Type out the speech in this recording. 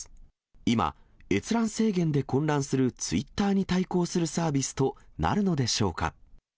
今、閲覧制限で混乱するツイッターに対抗するサービスとなるのでしょうか。